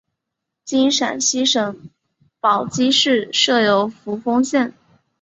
今陕西省宝鸡市设有扶风县。